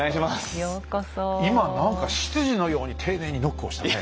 今何か執事のように丁寧にノックをしたねえ。